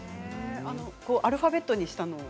アルファベットにしたのは？